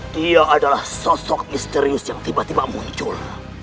dia adalah sosok misterius yang tiba tiba muncul